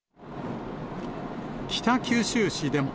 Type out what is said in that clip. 北九州市でも。